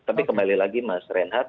tapi kembali lagi mas reinhardt